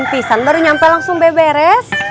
pisan baru nyampe langsung beberes